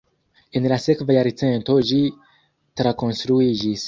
En la sekva jarcento ĝi trakonstruiĝis.